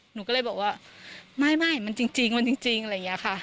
หนูก็เลยบอกว่าไม่มันจริงมันจริงอะไรอย่างนี้ค่ะ